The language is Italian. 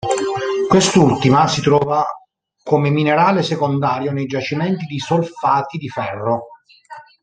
Quest'ultima si trova come minerale secondario nei giacimenti di solfati di ferro.